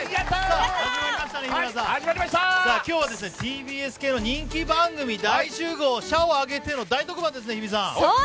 今日はＴＢＳ系の人気番組大集合、社を挙げての大特番ですね、日比さん。